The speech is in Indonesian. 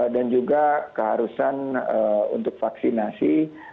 dan juga keharusan untuk vaksinasi